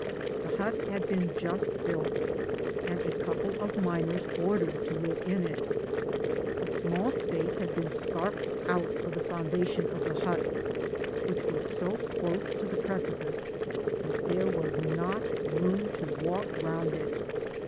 The hut had been 'just built^ and a couple of miners ordered to live in it. A small space had been scarped out for the Digitized byGoogk GOLD MINE 01? CAREK. *211 foundation^ which was so close to the precipice that there was not room to walk round it.